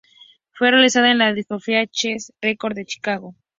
Fue realizado en la discográfica Chess Records de Chicago.